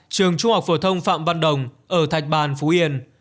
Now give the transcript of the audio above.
trường trung học phổ thông phạm văn đồng ở thạch bàn phú yên